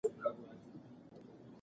له نا رضا کټه مې رېږدي اندامونه